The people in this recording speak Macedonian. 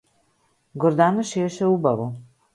Гордана шиеше убаво.